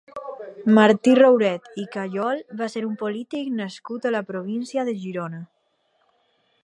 Martí Rouret i Callol va ser un polític nascut a la província de Girona.